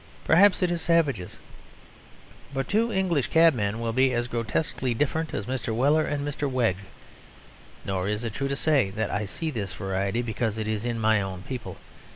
Perhaps it is savages. But two English cabmen will be as grotesquely different as Mr. Weller and Mr. Wegg. Nor is it true to say that I see this variety because it is in my own people.